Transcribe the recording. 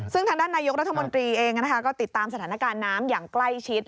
ซึ่งทางด้านนายกรัฐมนตรีเองก็ติดตามสถานการณ์น้ำอย่างใกล้ชิด